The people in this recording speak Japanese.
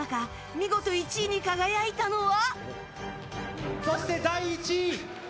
見事１位に輝いたのは。